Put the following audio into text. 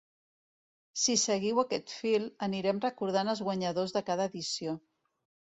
Si seguiu aquest fil anirem recordant els guanyadors de cada edició.